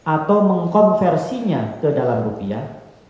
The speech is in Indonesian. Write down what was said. atau mengkonversinya ke dalam rupiah